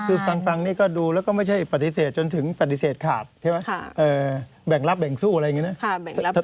คือฟังนี่ก็ดูแล้วก็ไม่ใช่ปฏิเสธจนถึงปฏิเสธขาดใช่ไหมแบ่งรับแบ่งสู้อะไรอย่างนี้นะ